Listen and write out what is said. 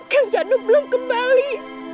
kan janu belum kembali